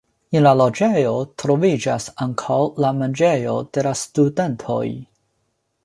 En la loĝejo troviĝas ankaŭ la manĝejo de la studentoj.